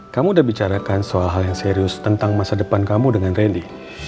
kamu udah bicarakan soal hal yang serius tentang masa depan kamu dengan randy